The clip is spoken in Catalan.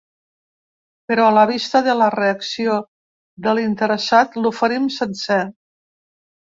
Però a la vista de la reacció de l’interessat l’oferim sencer.